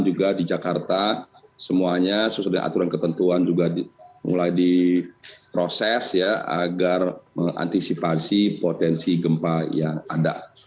juga di jakarta semuanya sesuai dengan aturan ketentuan juga mulai diproses agar mengantisipasi potensi gempa yang ada